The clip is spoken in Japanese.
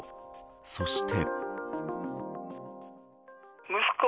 そして。